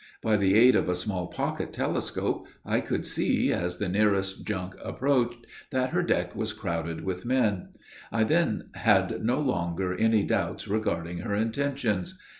By the aid of a small pocket telescope, I could see, as the nearest junk approached, that her deck was crowded with men; I then had no longer any doubts regarding her intentions.